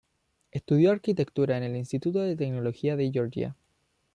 Estudió arquitectura en el Instituto de Tecnología de Georgia.